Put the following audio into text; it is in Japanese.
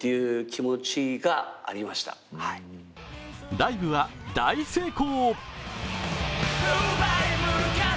ライブは大成功！